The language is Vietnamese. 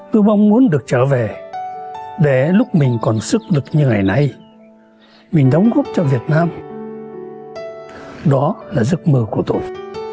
tôi mong muốn được trở về để lúc mình còn sức lực như ngày nay mình đóng góp cho việt nam đó là giấc mơ của tôi